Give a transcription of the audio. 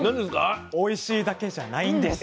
おいしいだけじゃないんです。